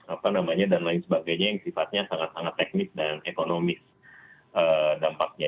apa namanya dan lain sebagainya yang sifatnya sangat sangat teknis dan ekonomis dampaknya